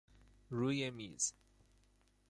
روی میز